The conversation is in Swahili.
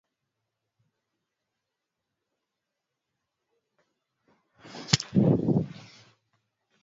kwa haraka kusita kutembea na tando za kamasi kubadilika rangi